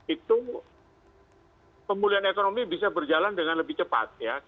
itu pemulihan ekonomi bisa berjalan dengan lebih cepat